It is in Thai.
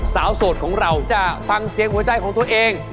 โสดของเราจะฟังเสียงหัวใจของตัวเอง